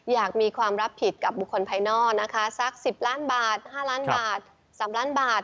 อยากมีความรับผิดกับบุคคลภายนอกนะคะสัก๑๐ล้านบาท๕ล้านบาท๓ล้านบาท